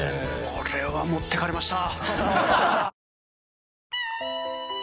これは持っていかれました。